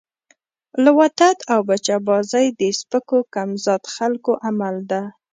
لواطت او بچه بازی د سپکو کم ذات خلکو عمل ده